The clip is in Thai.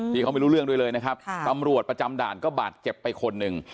ที่เขาไม่รู้เรื่องด้วยเลยนะครับตำรวจประจำด่านก็บาดเจ็บไปคนหนึ่ง